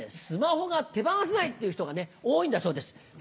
スマホが手放せないっていう人が多いんだそうです